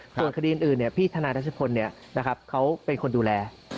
ส่วนคดีอื่นเนี่ยพี่ทนายราชพลเนี่ยนะครับเขาเป็นคนดูแล